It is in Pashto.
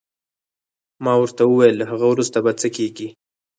ما ورته وویل: له هغه وروسته به څه کېږي؟